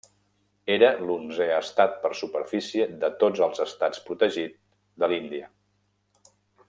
Era l'onzè estat per superfície de tots els estats protegit de l'Índia.